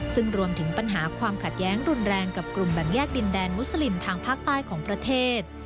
ซึ่งรวมถึงปัญหาความขัดแย้งรุนแรงกับกลุ่มแบ่งแยกดินแดนมุสลิมทางภาคใต้ของประเทศ